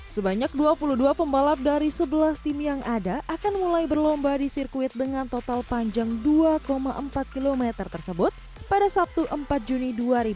sebanyak dua puluh dua pembalap dari sebelas tim yang ada akan mulai berlomba di sirkuit dengan total panjang dua empat km tersebut pada sabtu empat juni dua ribu dua puluh